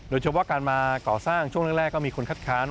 โดยเฉพาะการมาก่อสร้างช่วงแรกก็มีคนคัดค้าน